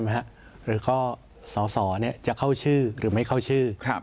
หรือข้อสอสอจะเข้าชื่อหรือไม่เข้าชื่อ